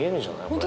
これ。